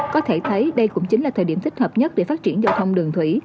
có thể thấy đây cũng chính là thời điểm thích hợp nhất để phát triển giao thông đường thủy